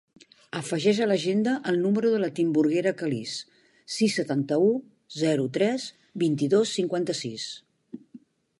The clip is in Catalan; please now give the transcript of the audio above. Afegeix a l'agenda el número de la Timburguera Caliz: sis, setanta-u, zero, tres, vint-i-dos, cinquanta-sis.